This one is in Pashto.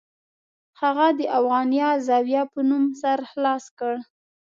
هغه د افغانیه زاویه په نوم سر خلاص کړ.